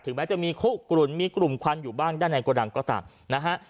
แม้จะมีคุกกลุ่นมีกลุ่มควันอยู่บ้างด้านในโกดังก็ตามนะฮะ